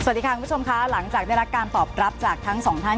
สวัสดีค่ะคุณผู้ชมค่ะหลังจากได้รับการตอบรับจากทั้งสองท่าน